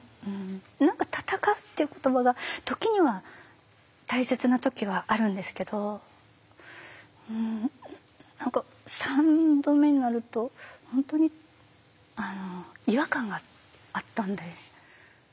何か闘うっていう言葉が時には大切な時はあるんですけど３度目になると本当にあの違和感があったんで。